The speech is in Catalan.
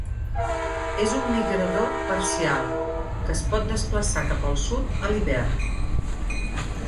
És un migrador parcial, que es pot desplaçar cap al sud a l'hivern.